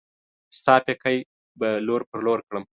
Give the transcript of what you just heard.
ستا پيکی به لور پر لور کړم